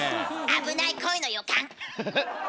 危ない恋の予感。